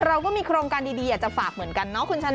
เราก็มีโครงการดีอยากจะฝากเหมือนกันเนาะคุณชนะ